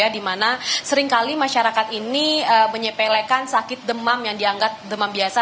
di mana seringkali masyarakat ini menyepelekan sakit demam yang dianggap demam biasa